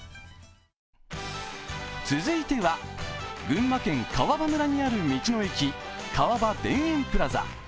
続いては、群馬県川場村にある道の駅・川場田園プラザ。